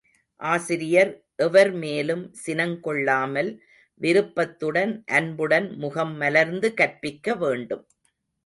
ஆசிரியர் எவர்மேலும் சினங் கொள்ளாமல், விருப்பத்துடன் அன்புடன் முகம் மலர்ந்து கற்பிக்க வேண்டும்.